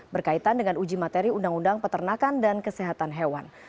berkaitan dengan uji materi undang undang peternakan dan kesehatan hewan